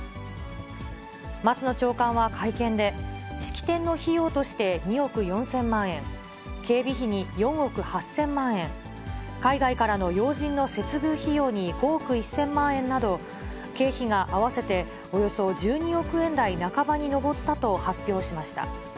松野長官は会見で、式典の費用として２億４０００万円、警備費に４億８０００万円、海外からの要人の接遇費用に５億１０００万円など、経費が合わせておよそ１２億円台半ばに上ったと発表しました。